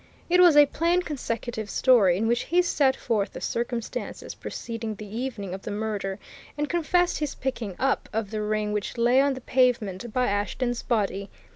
It was a plain, consecutive story, in which he set forth the circumstances preceding the evening of the murder and confessed his picking up of the ring which lay on the pavement by Ashton's body.